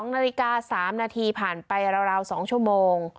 ๒นาฬิกา๓นาทีผ่านไปราว๒ชั่วโมง